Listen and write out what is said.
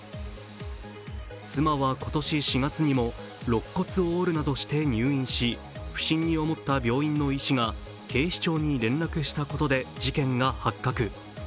妻は今年４月にもろっ骨を折るなどして入院し、不審に思った病院の医師が警視庁に連絡したことで事件が発覚。